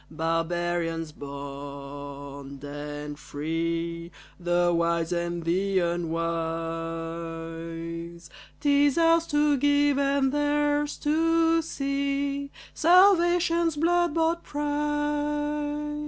"Barbarian, bond and free, The wise and the unwise" 'Tis ours to give and theirs to see Salvation's blood bought prize.